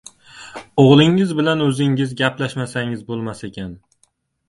Oʻgʻlingiz bilan oʻzingiz gaplashmasangiz boʻlmas ekan.